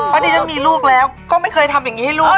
ประเด็นจะมีลูกว่าแล้วก็ไม่เคยทำอย่างนี้ให้ลูกค่ะ